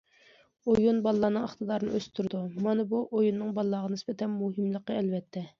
ئويۇن بالىلارنىڭ ئىقتىدارىنى ئۆستۈرىدۇ، مانا بۇ ئويۇننىڭ بالىلارغا نىسبەتەن مۇھىملىقى، ئەلۋەتتە.